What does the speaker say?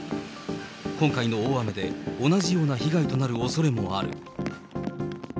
今回の大雨で、同じような被害となるおそれもある。